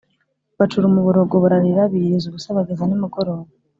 Bacura umuborogo bararira, biyiriza ubusa bageza nimugoroba